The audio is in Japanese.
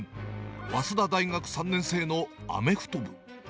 早稲田大学３年生のアメフト部。